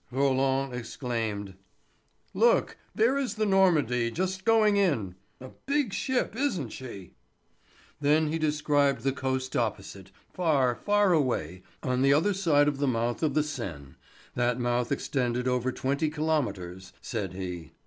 Roland exclaimed: "Look, there is the Normandie just going in. A big ship, isn't she?" Then he described the coast opposite, far, far away, on the other side of the mouth of the Seine—that mouth extended over twenty kilometres, said he.